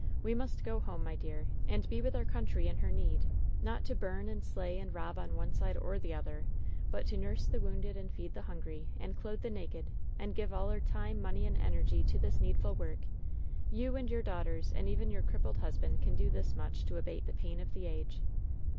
We must go home, my dear, and be with our country in her need! Not to bum and slay and rob on one side or the other, but to nurse the wounded and feed the hungry, and clothe the naked — and give all our time, money and energy to this needful work. You and your daughters and even your crippled husband can do this much to abate the pain of the age!"